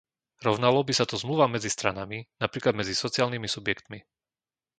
Rovnalo by sa to zmluvám medzi stranami, napríklad medzi sociálnymi subjektmi.